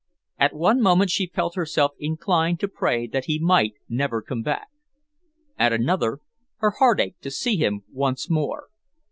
At one moment she felt herself inclined to pray that he might never come back. At another, her heart ached to see him once more.